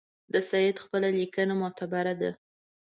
د سید خپله لیکنه معتبره ده.